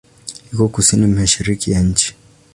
Iko kusini-mashariki ya nchi.